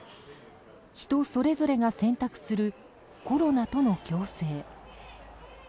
人それぞれが選択するコロナとの共生。